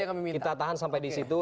kita tahan sampai disitu